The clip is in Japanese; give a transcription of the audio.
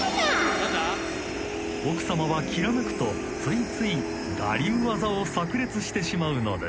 ［奥様はきらめくとついつい我流技を炸裂してしまうのです］